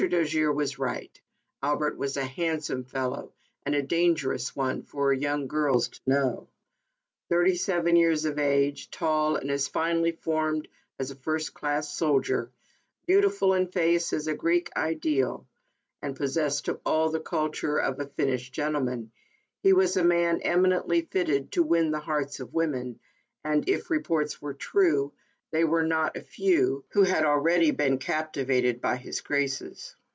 Dojere was right. Albert was a handsome fellow and a dangerous one for young girls to know. Thirty seven years of age, tall and as finely formed as a first class soldier, beautiful in face as a Greek ideal, and possessed of all the culture of a finished gentleman, he was a man eminently fitted to win the hearts of women, and, if reports were true, they were not a few, who had already been captivated by his graces.